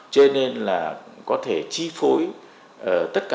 cho nên là có thể chi phối tất cả các hoạt động của các cơ quan